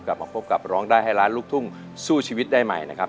กลับมาพบกับร้องได้ให้ล้านลูกทุ่งสู้ชีวิตได้ใหม่นะครับ